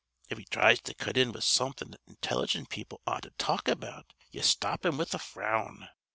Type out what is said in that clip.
If he thries to cut in with somethin' that intelligent people ought to talk about ye stop him with a frown.